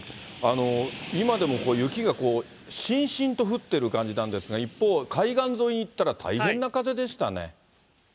今でも雪がしんしんと降ってる感じなんですが、一方、海岸沿いに行ったら大変な風でしたね。